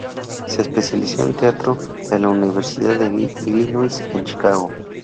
Se especializó en teatro en la Universidad de Illinois en Chicago.